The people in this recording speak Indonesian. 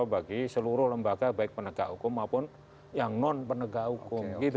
bagi seluruh lembaga baik penegak hukum maupun yang non penegak hukum